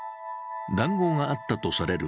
談合があったとされる